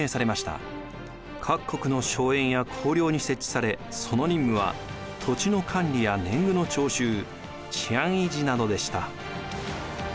各国の荘園や公領に設置されその任務は土地の管理や年貢の徴収治安維持などでした。